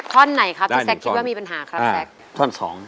ท่อนไหนครับที่แซคคิดว่ามีปัญหาครับแซค